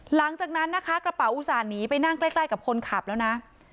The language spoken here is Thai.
หลังจากนั้นนะคะกระเป๋าอุตส่าห์หนีไปนั่งใกล้กับคนขับแล้วนะ